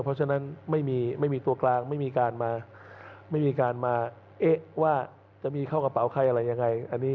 เพราะฉะนั้นไม่มีตัวกลางไม่มีการมาไม่มีการมาเอ๊ะว่าจะมีเข้ากระเป๋าใครอะไรยังไง